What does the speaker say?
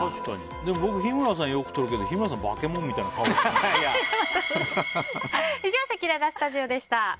でも僕、日村さんよく撮るけど日村さん、化け物みたいな以上、せきららスタジオでした。